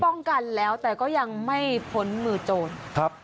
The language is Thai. ป้องกันแล้วแต่ก็ยังไม่พ้นมือโจรครับ